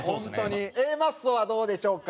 Ａマッソはどうでしょうか？